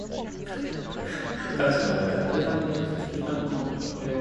He is the current silver Olympic medalist in the Extra Lightweight event.